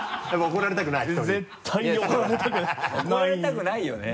怒られたくないよね。